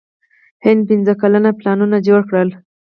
هند پنځه کلن پلانونه جوړ کړل.